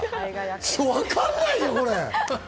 分かんないよ、これ。